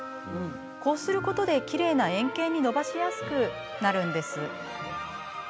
こうすることで、きれいな円形にのばしやすくなるんです。